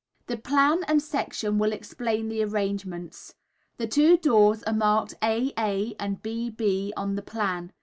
The plan and section will explain the arrangement. The two doors are marked A A and B B on the plan.